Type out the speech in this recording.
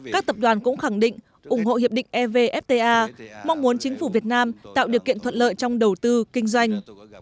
các tập đoàn cũng khẳng định ủng hộ hiệp định evfta mong muốn chính phủ việt nam tạo điều kiện thuận lợi trong đầu tư kinh doanh